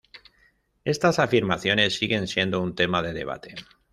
Estas afirmaciones siguen siendo un tema de debate.